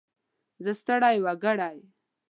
زه ستړی وګړی.